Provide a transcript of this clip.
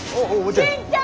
新ちゃん！